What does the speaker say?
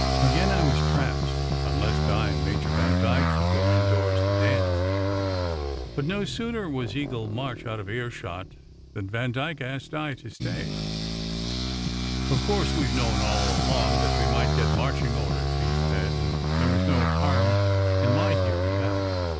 Again I was trapped, unless Di and Major Vandyke should go indoors to dance; but no sooner was Eagle March out of earshot than Vandyke asked Di to stay. SECRET HISTORY 79 "Of course we ve known all along that we might get marching orders," he said, and there was no harm in my hearing that.